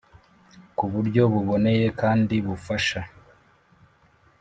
ku buryo buboneye kandi bufasha